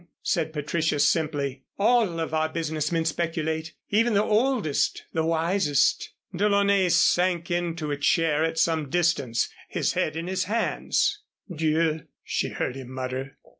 said Patricia, simply. "All of our business men speculate. Even the oldest the wisest." DeLaunay sank into a chair at some distance, his head in his hands. "Dieu!" she heard him mutter.